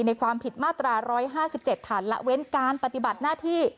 ความผิดมาตรา๑๕๗ฐานละเว้นการปฏิบัติหน้าที่